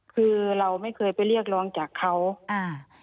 คือเราไม่เคยไปเรียกร้องจากเขาอ่า